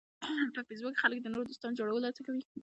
په فېسبوک کې خلک د نوو دوستانو جوړولو هڅه کوي